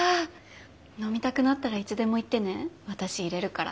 飲みたくなったらいつでも言ってね私いれるから。